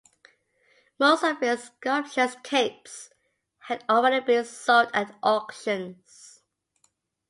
Most of his sumptuous capes had already been sold at auctions.